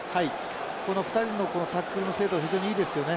この２人のこのタックルの精度非常にいいですよね。